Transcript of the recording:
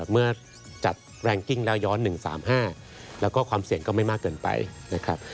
เมื่อจัดแรงกิ้งแล้วย้อน๑๓๕แล้วก็ความเสี่ยงก็ไม่มากเกินไปนะครับ